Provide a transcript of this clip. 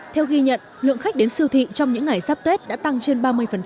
theo ghi nhận lượng khách đến siêu thị trong những ngày sắp tết đã tăng trên ba mươi